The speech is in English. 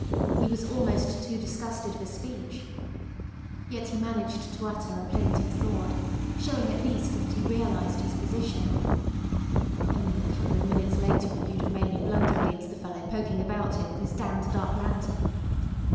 He was almost too disgusted for speech. Yet he managed to utter a plaintive thought, showing at least that he realised his position. "Only a couple of minutes later and you'd have made me blunder against the fellow poking about here with his damned dark lantern."